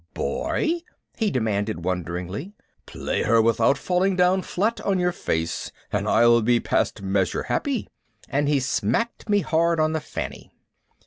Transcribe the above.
"Boy?" he demanded wonderingly. "Play her without falling down flat on your face and I'll be past measure happy!" And he smacked me hard on the fanny.